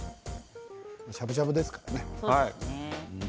しゃぶしゃぶですからね。